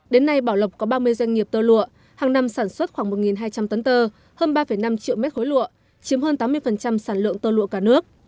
đến nay bảo lộc có ba mươi doanh nghiệp tơ lụa hàng năm sản xuất khoảng một hai trăm linh tấn tơ hơn ba năm triệu mét khối lụa chiếm hơn tám mươi sản lượng tơ lụa cả nước